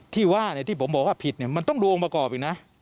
ที่ว่าที่ผมบอกว่าผิดมันต้องดูองค์ประกอบอีกนะ